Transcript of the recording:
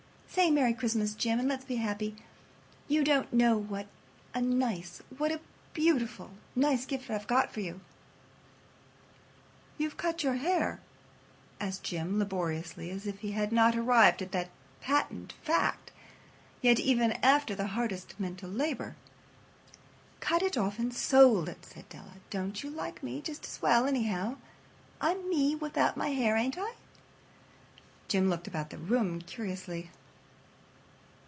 Say 'Merry Christmas!' Jim, and let's be happy. You don't know what a nice—what a beautiful, nice gift I've got for you." "You've cut off your hair?" asked Jim, laboriously, as if he had not arrived at that patent fact yet even after the hardest mental labor. "Cut it off and sold it," said Della. "Don't you like me just as well, anyhow? I'm me without my hair, ain't I?" Jim looked about the room curiously.